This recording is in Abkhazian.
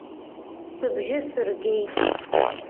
Сыбжьы сыргеит.